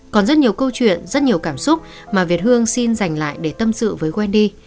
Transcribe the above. còn rất nhiều câu chuyện rất nhiều cảm xúc mà việt hương xin dành lại để tâm sự với wandy